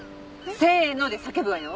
せーので叫ぶわよ。